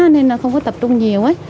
nên là không có tập trung nhiều